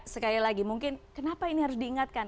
sekali lagi mungkin kenapa ini harus diingatkan